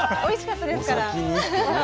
おいしかったですから。